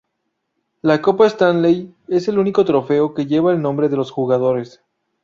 La copa Stanley es el único trofeo que lleva el nombre de los jugadores.